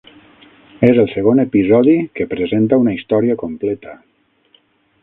És el segon episodi que presenta una història completa.